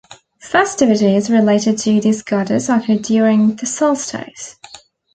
Festivities related to this goddess occurred during the solstice.